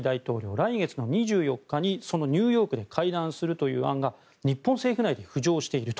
来月２４日にニューヨークで会談するという案が日本政府内で浮上していると。